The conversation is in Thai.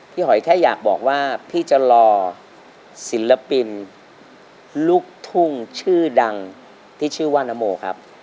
หอยแค่อยากบอกว่าพี่จะรอศิลปินลูกทุ่งชื่อดังที่ชื่อว่านโมครับ